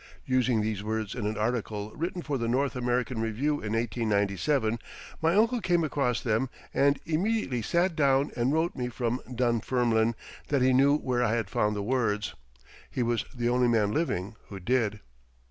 Using these words in an article written for the "North American Review" in 1897, my uncle came across them and immediately sat down and wrote me from Dunfermline that he knew where I had found the words. He was the only man living who did.